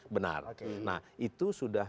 benar nah itu sudah